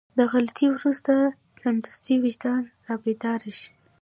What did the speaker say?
له غلطي وروسته سمدستي وجدان رابيدار شي.